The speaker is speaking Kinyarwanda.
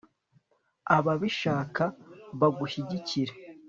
ababishaka bagushyigikire